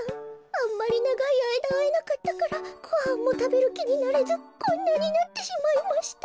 あんまりながいあいだあえなかったからごはんもたべるきになれずこんなになってしまいました。